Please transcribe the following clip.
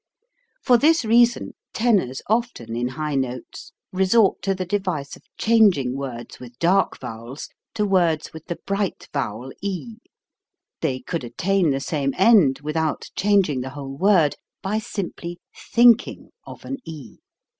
For this reason tenors often in high notes resort to the device of changing words with dark vowels to words with the bright vowel e. They could attain the same end, without changing the whole word, by simply thinking of an e.